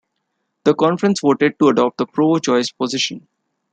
The conference voted to adopt the pro-choice position.